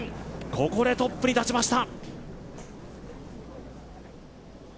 ここでトップに立ちました。